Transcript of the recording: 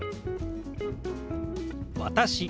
「私」。